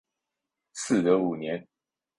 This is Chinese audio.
嗣德五年。